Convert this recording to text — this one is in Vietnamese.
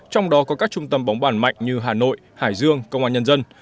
trong đó có các trung tâm bóng bản mạnh như hà nội hải dương công an nhân dân